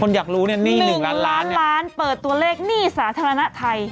คนอยากรู้เนี่ยนี่นี่๑ล้านล้านเนี่ย๑ล้านล้านเปิดตัวเลขนี่สาธารณะไทย